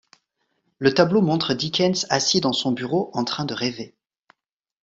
Le tableau montre Dickens assis dans son bureau, en train de rêver.